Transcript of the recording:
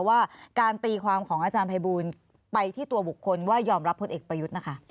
ว่าการตีความของอาจารย์ภัยบูลไปที่ตัวบุคคลว่ายอมรับพลเอกประยุทธ์นะคะ